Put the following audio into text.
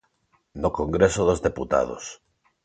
No Congreso dos Deputados.